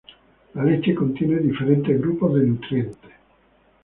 La leche contiene diferentes grupos de nutrientes.